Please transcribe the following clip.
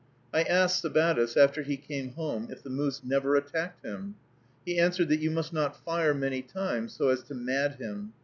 I asked Sabattis, after he came home, if the moose never attacked him. He answered that you must not fire many times, so as to mad him.